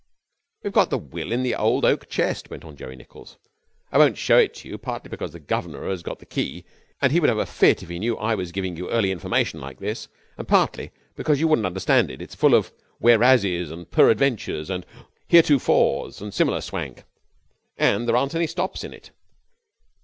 'We've got the will in the old oak chest,' went on Jerry Nichols. 'I won't show it to you, partly because the governor has got the key and he would have a fit if he knew that I was giving you early information like this, and partly because you wouldn't understand it. It is full of "whereases" and "peradventures" and "heretofores" and similar swank, and there aren't any stops in it.